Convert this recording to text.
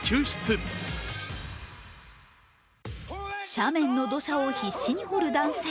斜面の土砂を必死に掘る男性。